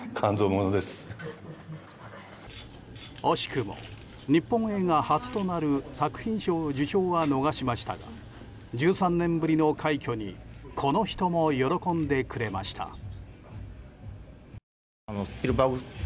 惜しくも日本映画初となる作品賞受賞は逃しましたが１３年ぶりの快挙にこの人も喜んでくれました。